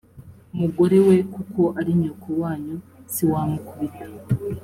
umugore we kuko ari nyoko wanyu siwamukubita